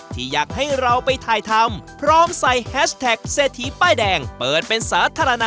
ที่อยากให้เราไปถ่ายทำพร้อมใส่แฮชแท็กเศรษฐีป้ายแดงเปิดเป็นสาธารณะ